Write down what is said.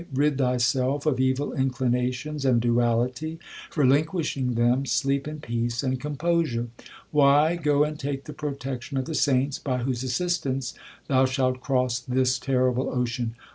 Rid thyself of evil inclinations and duality ; Relinquishing them sleep in peace and composure. Y. Go and take the protection of the saints, By whose assistance thou shalt cross this terrible ocean.